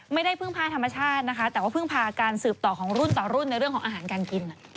ไม่ได้พึ่งพาธรรมชาตินะคะแต่ว่าเพิ่งพาการสืบต่อของรุ่นต่อรุ่นในเรื่องของอาหารการกิน